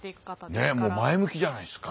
ねえもう前向きじゃないですか。